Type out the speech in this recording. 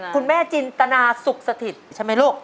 คุณแม่จินตนาสุขสถิตใช่ไหมลูก